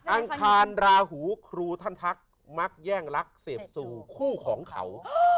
อังคารราหูครูท่านทักมักแย่งรักเสพสู่คู่ของเขา